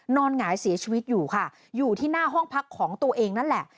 หงายเสียชีวิตอยู่ค่ะอยู่ที่หน้าห้องพักของตัวเองนั่นแหละ